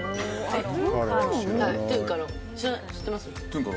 知ってます？